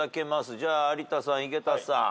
じゃあ有田さん井桁さん。